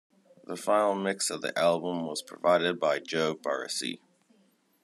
The final mix of the album was provided by Joe Barresi.